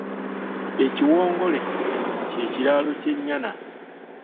Ekiwongole kye kiraalo kye nyana.